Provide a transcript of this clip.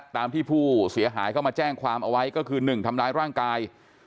ตามที่ผู้เสียหายเข้ามาแจ้งความเอาไว้ก็คือ๑ทำร้ายร่างกาย